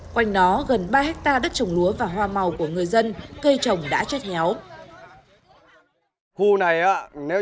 quanh nó gần ba hectare đất trồng lúa và hoa màu của người dân cây trồng đã chết héo